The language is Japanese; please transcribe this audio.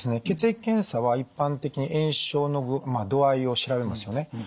血液検査は一般的に炎症の度合いを調べますよね。